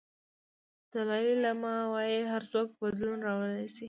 دالای لاما وایي هر څوک بدلون راوړلی شي.